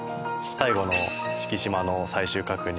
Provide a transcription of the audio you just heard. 最後の四季島の最終確認。